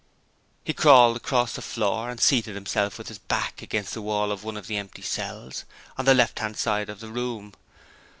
He crawled across the floor, and seated himself with his back against the wall of one of the empty cells, on the left hand side of the room.